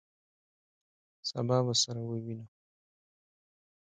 سبا به سره ووینو!